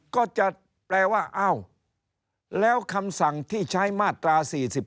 ก็จะแปลว่าอ้าวแล้วคำสั่งที่ใช้มาตรา๔๔